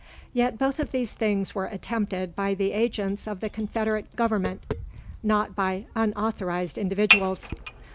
Yet both of these things were attempted by the agents of the Confederate Government not by unauthorised individuals.